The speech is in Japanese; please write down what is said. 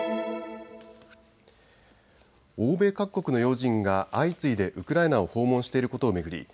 欧米各国の要人が相次いでウクライナを訪問していることを巡り